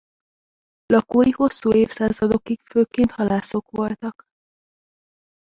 Lakói hosszú évszázadokig főként halászok voltak.